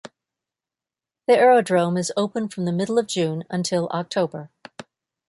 The aerodrome is open from the middle of June until October.